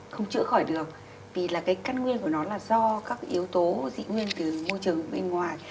không chữa khỏi được vì là cái căn nguyên của nó là do các yếu tố dị nguyên từ môi trường bên ngoài